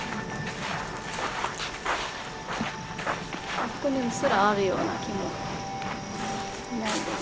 あそこにうっすらあるような気もしないでもない。